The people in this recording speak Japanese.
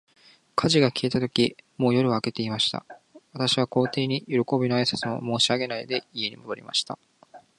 火事が消えたとき、もう夜は明けていました。私は皇帝に、よろこびの挨拶も申し上げないで、家に戻りました。